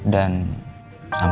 dan sampai sekarang